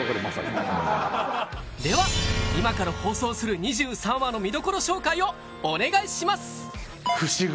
まさにでは今から放送する２３話の見どころ紹介をお願いします！